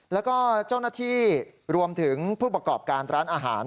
แล้วก็เจ้าหน้าที่รวมถึงผู้ประกอบการร้านอาหาร